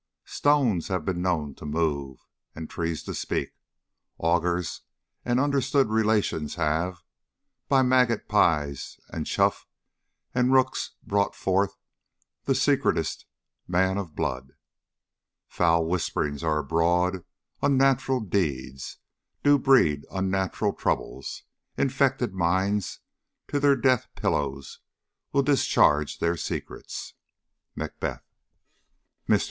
Stones have been known to move, and trees to speak; Augurs and understood relations have, By magot pies and choughs and rooks, brought forth The secret'st man of blood. Foul whisperings are abroad; unnatural deeds Do breed unnatural troubles; infected minds To their deaf pillows will discharge their secrets. MACBETH. "MR.